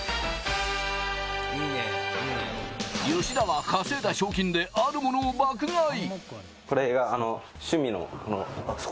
吉田は稼いだ賞金で、あるものを爆買い。